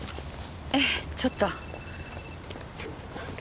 ええちょっと。